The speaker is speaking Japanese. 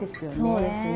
そうですね。